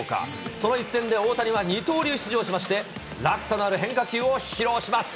その一戦で大谷は二刀流出場しまして、落差のある変化球を披露します。